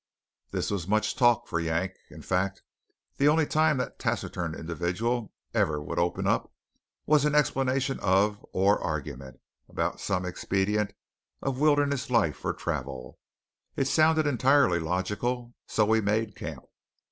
This was much talk for Yank. In fact, the only time that taciturn individual ever would open up was in explanation of or argument about some expedient of wilderness life or travel. It sounded entirely logical. So we made camp.